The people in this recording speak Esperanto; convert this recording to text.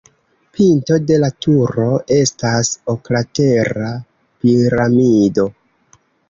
Pinto de la turo estas oklatera piramido.